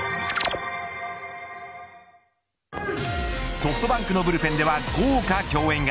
ソフトバンクのブルペンでは豪華競演が。